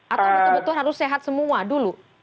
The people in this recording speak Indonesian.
atau betul betul harus sehat semua dulu